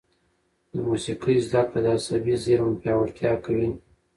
د موسیقي زده کړه د عصبي زېرمو پیاوړتیا کوي.